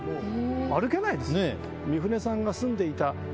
歩けないですよ。